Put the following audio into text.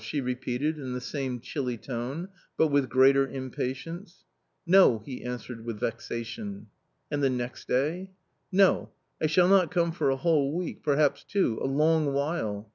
" she repeated in the same chilly tone, but with greater impatience. " No !" he answered with vexation. " And the next day ?"" No ; I shall not come for a whole week, perhaps, two — a long while